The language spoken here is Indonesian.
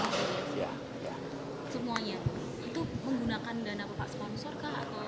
semuanya itu menggunakan dana pak sponsor kah